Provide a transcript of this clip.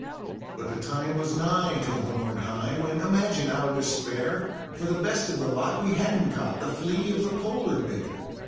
But the time was nigh to homeward hie, when, imagine our despair! For the best of the lot we hadn't got the flea of the polar bear.